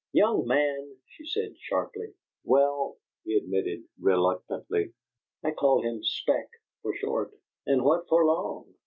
"YOUNG MAN!" she said, sharply. "Well," he admitted, reluctantly, "I call him Speck for short." "And what for long?